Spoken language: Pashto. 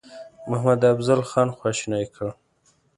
محمدافضل خان خواشینی کړ.